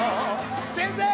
先生！